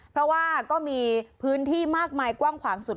เพราะว่าก็มีพื้นที่มากมายกว้างขวางสุด